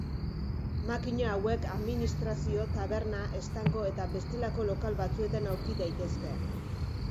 Makina hauek administrazio, taberna, estanko eta bestelako lokal batzuetan aurki daitezke.